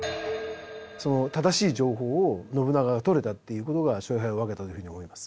その正しい情報を信長が取れたっていうことが勝敗を分けたというふうに思います。